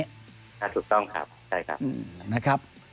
อ่าถูกต้องครับใช่ครับ